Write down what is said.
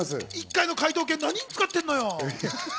１回の解答権、何に使っているのよ。